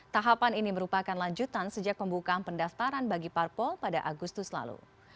tahapan ini merupakan lanjutan sejak pembukaan pendaftaran bagi parpol pada agustus lalu